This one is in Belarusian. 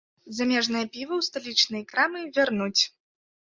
Замежнае піва ў сталічныя крамы вярнуць.